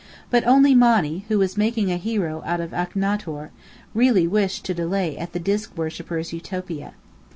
But only Monny, who was making a hero of Aknator, really wished to delay at the Disc Worshipper's Utopia.